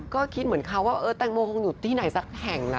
ก็คิดเหมือนเขาว่าแตงโมคงอยู่ที่ไหนสักแห่งนะ